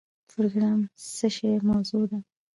پروګرام د څه شی مجموعه ده؟